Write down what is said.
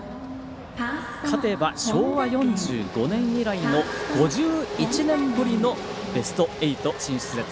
勝てば昭和４５年以来の５１年ぶりのベスト８進出です。